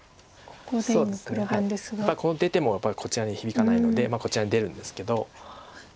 ここ出てもやっぱりこちらに響かないのでこちらに出るんですけど。